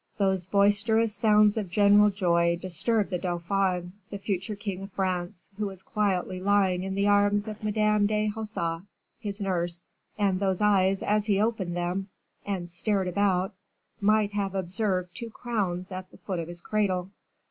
Those boisterous sounds of general joy disturbed the dauphin, the future king of France, who was quietly lying in the arms of Madame de Hausac, his nurse, and whose eyes, as he opened them, and stared about, might have observed two crowns at the foot of his cradle.